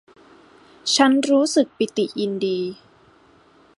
ฉันรู้สึกปิติยินดี